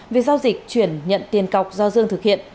vì giao dịch chuyển nhận tiền cọc do dương thực hiện